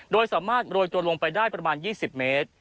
โดยสามารถโรยตัวลงไปได้ประมาณ๒๐เมตร